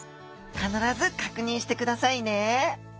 必ず確認してくださいね